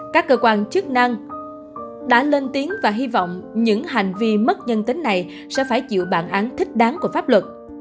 các cơ quan chức năng đã lên tiếng và hy vọng những hành vi mất nhân tính này sẽ phải chịu bản án thích đáng của pháp luật